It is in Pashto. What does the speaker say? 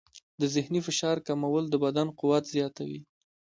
د ذهني فشار کمول د بدن قوت زیاتوي.